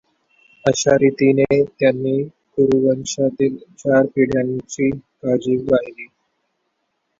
अशा रीतीने त्यांनी कुरुवंशातील चार पिढ्यांची काळजी वाहिली.